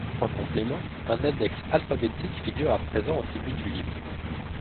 En complément, un index alphabétique figure à présent au début du livre.